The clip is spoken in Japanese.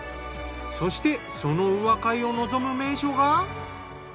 そしてその宇和海を望む名所が。